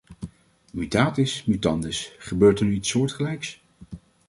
Mutatis mutandis gebeurt er nu iets soortgelijks.